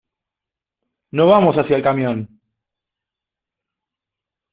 No vamos hacia el camión.